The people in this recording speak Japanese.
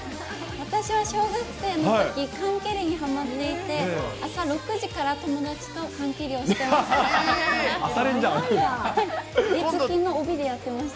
私は小学生のとき、缶蹴りにはまっていて、朝６時から友達と缶蹴りをしてました。